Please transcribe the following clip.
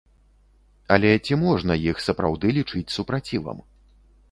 Але ці можна іх сапраўды лічыць супрацівам?